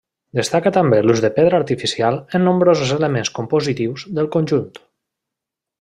Destaca també l'ús de pedra artificial en nombrosos elements compositius del conjunt.